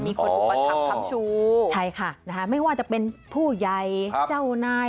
มีคนต้องการทำทำชูใช่ค่ะนะคะไม่ว่าจะเป็นผู้ใยเจ้านาย